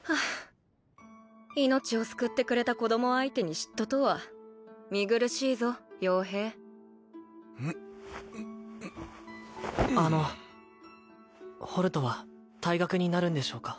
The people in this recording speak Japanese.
命を救ってくれた子供相手に嫉妬とは見苦しいぞ傭兵あのホルトは退学になるんでしょうか？